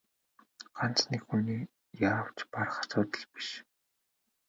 Ганц нэг хүний яавч барах асуудал биш.